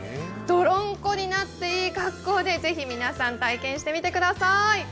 泥んこになっていい格好で、ぜひ皆さん、体験してみてください。